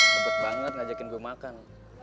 cepet banget ngajakin gue makan